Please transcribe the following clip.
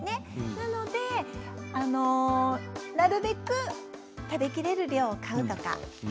なのでなるべく食べきれる量を買うとかしてください。